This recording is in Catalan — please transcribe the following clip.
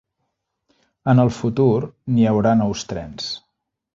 En el futur, n'hi haurà nous trens.